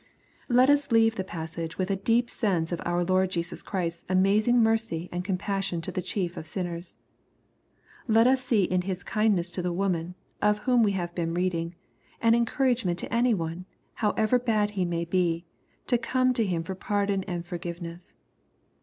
Let us leave the passage with a deep sense of our Lord Jesus Christ's amazing mercy and compassion to the chief of sinners. Let us see in his kindness to the woman, of whom we have been reading, an encouragement to any one, however bad he may be, to come to Him for pardon and forgiveness.